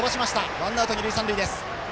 ワンアウト、二塁三塁です。